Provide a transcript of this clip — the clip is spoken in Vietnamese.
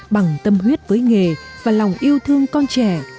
bằng tâm huyết với nghề và lòng yêu thương con trẻ